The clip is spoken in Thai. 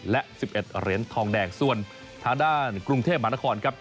และ๑๑เหรียญทองแดงส่วนทางด้านกรุงเทพมหานครครับ